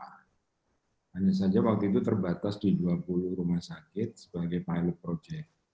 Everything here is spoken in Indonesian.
hanya saja waktu itu terbatas di dua puluh rumah sakit sebagai pilot project